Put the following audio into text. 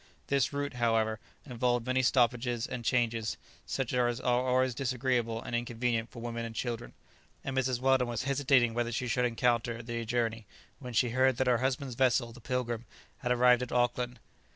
This route, however, involved many stoppages and changes, such as are always disagreeable and inconvenient for women and children, and Mrs. Weldon was hesitating whether she should encounter the journey, when she heard that her husband's vessel, the "Pilgrim," had arrived at Auckland.